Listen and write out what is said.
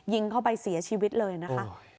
ยิงเข้าไปเสียชีวิตเลยนะคะ